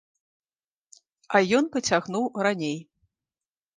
А ён пацягнуў раней.